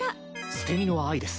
捨て身の愛です。